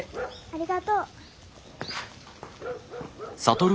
ありがとう。